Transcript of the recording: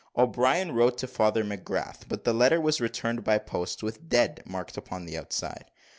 O'Brien wrote to Father McGrath; but the letter was returned by post, with "dead" marked upon the outside.